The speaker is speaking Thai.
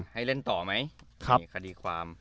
ให้เล่นต่อไหมมีคดีความ